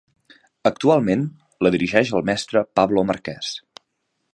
Actualment la dirigeix el mestre Pablo Marqués.